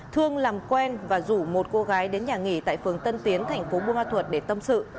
thương làm quen và rủ một cô gái đến nhà nghỉ tại phường tân tiến thành phố bùa ma thuật để tâm sự